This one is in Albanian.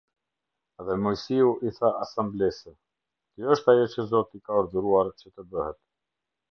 Dhe Moisiu i tha asamblesë: "Kjo është ajo që Zoti ka urdhëruar të bëhet".